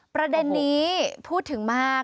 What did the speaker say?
ประเด็นนี้พูดถึงมาก